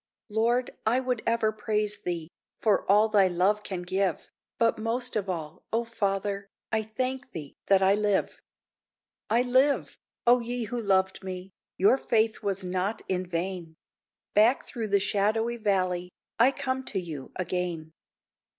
Lord, I would ever praise Thee, For all Thy love can give; But most of all, O Father! I thank Thee that I live. I live! O ye who loved me! Your faith was not in vain; Back through the shadowy valley I come to you again.